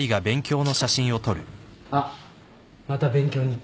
あっまた勉強日記？